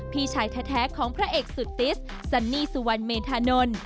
พี่ชายแท้ของพระเอกสุดติสซันนี่สุวรรณเมธานนท์